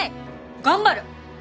頑張る！